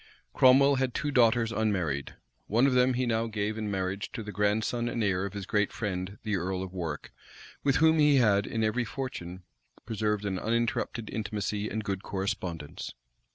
Cromwell had two daughters unmarried; one of them he now gave in marriage to the grandson and heir of his great friend the earl of Warwick, with whom he had, in every fortune, preserved an uninterrupted intimacy and good correspondence.